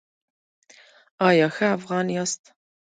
ایا ښه افغان یاست؟